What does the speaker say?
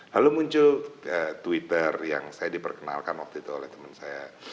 lalu muncul twitter yang saya diperkenalkan waktu itu oleh teman saya